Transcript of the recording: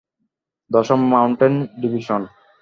দশম mountain division.